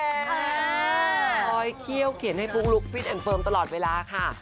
คอยเคี่ยวเขียนให้ปุ๊กลุ๊กฟิตแอนดเฟิร์มตลอดเวลาค่ะ